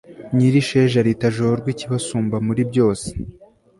nyirisheja ritajorwa ikibasumba muri byose